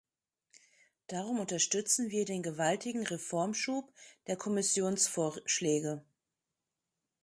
Darum unterstützen wir den gewaltigen Reformschub der Kommissionsvorschläge.